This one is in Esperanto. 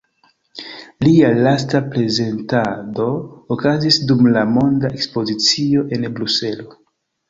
Lia lasta prezentado okazis dum la Monda Ekspozicio en Bruselo.